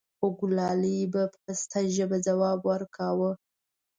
خوګلالۍ به په پسته ژبه ځواب وركا و :